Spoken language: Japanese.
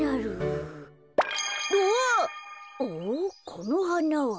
このはなは。